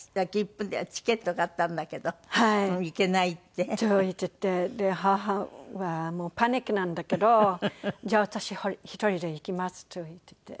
チケット買ったんだけど行けないって？と言っていて母はパニックなんだけど「じゃあ私１人で行きます」と言っていて。